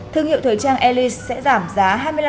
thương hiệu thời trang ai sẽ giảm giá hai mươi năm